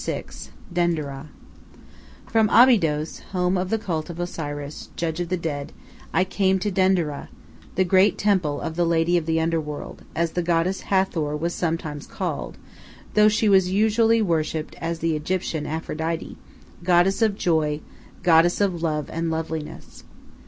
VI DENDERAH From Abydos, home of the cult of Osiris, Judge of the Dead, I came to Denderah, the great temple of the "Lady of the Underworld," as the goddess Hathor was sometimes called, though she was usually worshipped as the Egyptian Aphrodite, goddess of joy, goddess of love and loveliness.